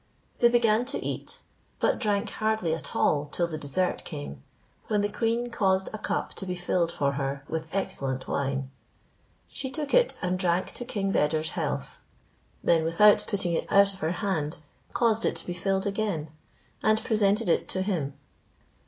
They began to eat, but drank hardly at all till the dessert came, when the queen caused a cup to be filled for her with excellent wine. She took it and drank to King Beder's health; then without putting it out of her hand, caused it to be filled again, and presented it to him.